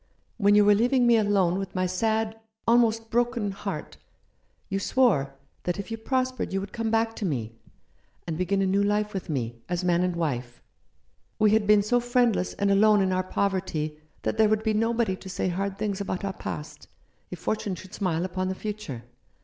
When you were leaving me alone with my sad — almost broken — heart, you swore that if you prospered you would come back to me, and begin a new life with me, as man and wife. We had been so friendless and alone in our poverty that there would be nobody to say hard things about our past, if fortune should smile upon the future.